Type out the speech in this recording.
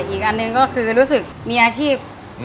อีกอันหนึ่งก็คือรู้สึกมีอาชีพ